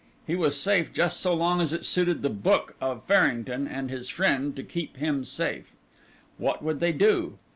He was safe just so long as it suited the book of Farrington and his friend to keep him safe. What would they do?